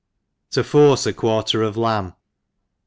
109 To force a Quarter g/* Lamb.